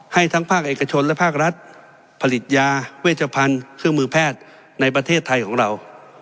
ให้ทั้งภาคเอกชนและภาครัฐผลิตยาเวชพันธุ์เครื่องมือแพทย์ในประเทศไทยของเรา